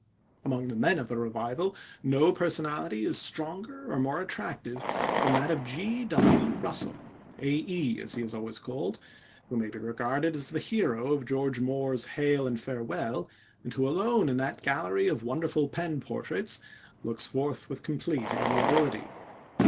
Among the men of the Revival, no personality is stronger or more attractive than that of G.W. Russell "Æ", as he is always called who may be regarded as the hero of George Moore's Hail and Farewell, and who alone in that gallery of wonderful pen portraits looks forth with complete amiability.